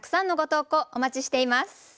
お待ちしています。